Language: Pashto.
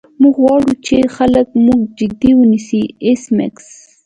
موږ غواړو چې خلک موږ جدي ونیسي ایس میکس